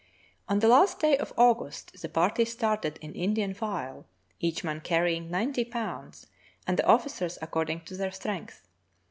On the last day of August the party started in Indian file, each man carrying ninet}' pounds, and the officers according to their strength.